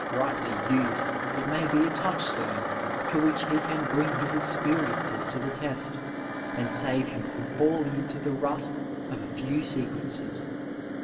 Righdy used, it may be a touchstone to which he can bring his experiences to the test and save him from falling into the rut of a few sequences.